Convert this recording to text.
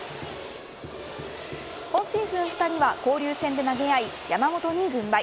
今シーズン、２人は交流戦で投げ合い山本に軍配。